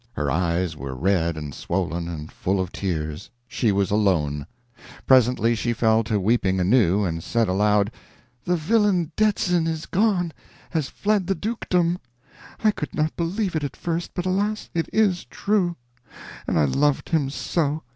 Her eyes were red and swollen, and full of tears. She was alone. Presently she fell to weeping anew, and said aloud: "The villain Detzin is gone has fled the dukedom! I could not believe it at first, but alas! it is too true. And I loved him so.